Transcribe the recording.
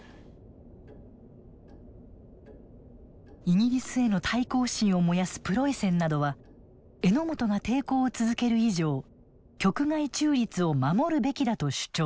イギリスへの対抗心を燃やすプロイセンなどは榎本が抵抗を続ける以上局外中立を守るべきだと主張。